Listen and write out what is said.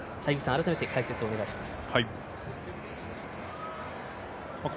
改めて解説をお願いします。